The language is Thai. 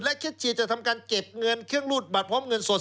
และคิดเชียร์จะทำการเก็บเงินเครื่องรูดบัตรพร้อมเงินสด